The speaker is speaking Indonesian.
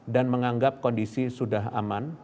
dan menganggap kondisi sudah aman